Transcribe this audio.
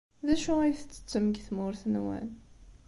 D acu ay tettettem deg tmurt-nwen?